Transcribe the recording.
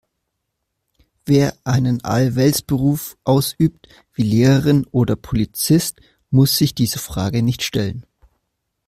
Wer einen Allerweltsberuf ausübt, wie Lehrerin oder Polizist, muss sich diese Frage nicht stellen.